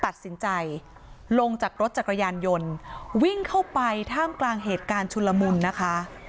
ตัดสินใจลงจากรถจักรยานยนต์วิ่งเข้าไปท่ามกลางเหตุการณ์ชุนละมุนนะคะ